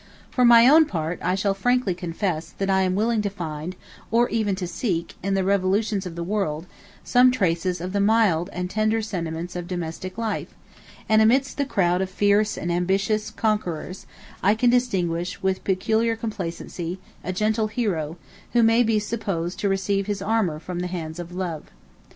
For my own part, I shall frankly confess, that I am willing to find, or even to seek, in the revolutions of the world, some traces of the mild and tender sentiments of domestic life; and amidst the crowd of fierce and ambitious conquerors, I can distinguish, with peculiar complacency, a gentle hero, who may be supposed to receive his armor from the hands of love.